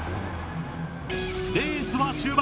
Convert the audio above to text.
レースは終盤！